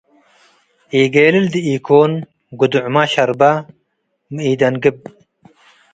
ኢጌልል ዲኢኮን ግዱዕመ ሸርበ ሚ ኢደንግብ